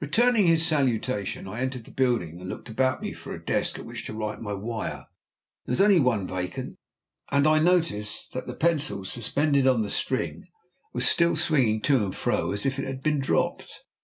Returning his salutation, I entered the building and looked about me for a desk at which to write my wire. There was only one vacant, and I noticed that the pencil suspended on the string was still swinging to and fro as it had been dropped.